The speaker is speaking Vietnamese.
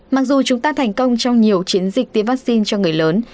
mặc dù chúng ta thành công trong nhiều chiến dịch tiêm vaccine cho người lớn